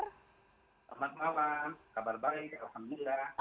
selamat malam kabar baik alhamdulillah